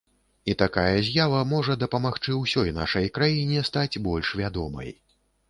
І такая з'ява можа дапамагчы ўсёй нашай краіне стаць больш вядомай.